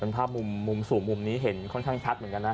เป็นภาพมุมสูงมุมนี้เห็นค่อนข้างชัดเหมือนกันนะ